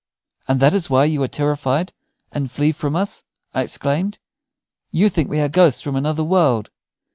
"And that is why you are terrified and flee from us?" I exclaimed. "You think we are ghosts from another world?"